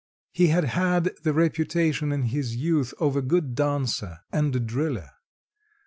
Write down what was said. He had had the reputation in his youth of a good dancer and driller.